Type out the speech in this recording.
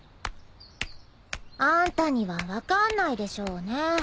あんたには分かんないでしょうね。